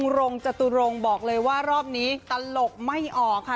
อย่างลุงรงจตุรงบอกเลยว่ารอบนี้ตลกไม่ออกค่ะ